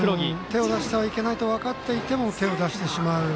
手を出してはいけないと思っていても手を出してしまう。